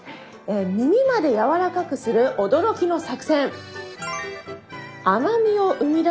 みみまでやわらかくする驚きの作戦。